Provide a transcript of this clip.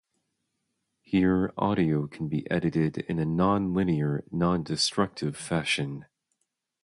Here, audio can be edited in a non-linear, non-destructive fashion.